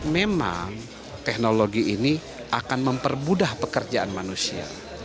memang teknologi ini akan mempermudah pekerjaan manusia